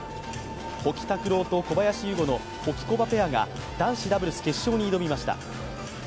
保木卓朗と小林優吾のホキコバペアが男子ダブル決勝に挑みました。